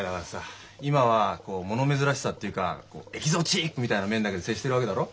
今はこうもの珍しさっていうか「エキゾチック！」みたいな面だけで接してるわけだろ？